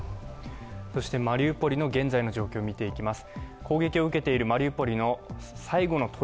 マリウポリの現在の状況を見ていきます。